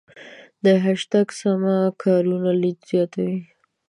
د هشتګ سمه کارونه لید زیاتوي.